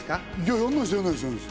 やんないです！